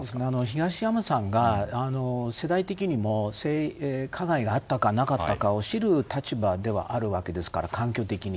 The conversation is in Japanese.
東山さんが世代的にも性加害があったかなかったかを知る立場ではあるわけですから環境的に。